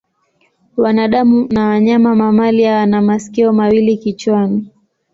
Wanadamu na wanyama mamalia wana masikio mawili kichwani.